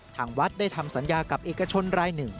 ทางวัดได้ทำสัญญากับเอกชนรายหนึ่ง